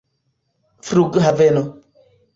flughaveno